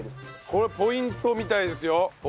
これポイントみたいですよ。